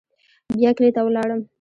بيا کلي ته ولاړم.